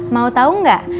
mau tahu nggak